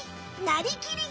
「なりきり！